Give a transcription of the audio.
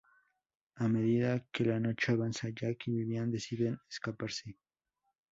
A medida que la noche avanza, Jack y Vivian deciden escaparse.